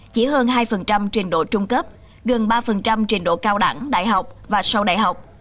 chỉ hơn hai trình độ trung cấp gần ba trình độ cao đẳng đại học và sau đại học